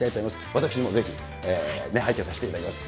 私もぜひ、拝見させていただきます。